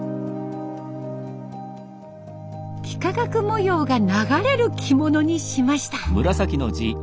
幾何学模様が流れる着物にしました。